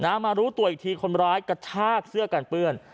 มารู้ตัวอีกทีคนร้ายกระชากเสื้อกันเปื้อน